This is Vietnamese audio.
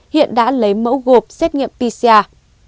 hiện đã lấy mẫu gộp xét nghiệm pcr